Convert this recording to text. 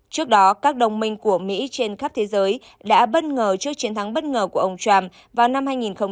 trước đó các đồng minh của mỹ trên khắp thế giới đã bất ngờ trước chiến thắng bất ngờ của ông trump vào năm hai nghìn một mươi